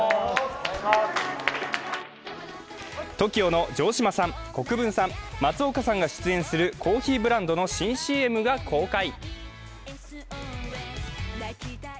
ＴＯＫＩＯの城島さん、国分さん、松岡さんが出演するコーヒーブランドの新ＣＭが公開。